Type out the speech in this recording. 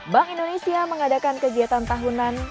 bank indonesia mengadakan kegiatan tahunan